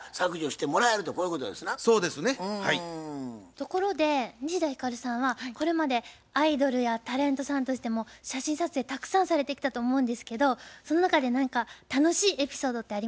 ところで西田ひかるさんはこれまでアイドルやタレントさんとしても写真撮影たくさんされてきたと思うんですけどその中で何か楽しいエピソードってありますか？